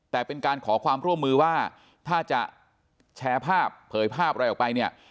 แต่เป็นการขอความร่วมมือว่าถ้าจะแชร์ภาพเผยภาพอะไรออกไปเนี่ย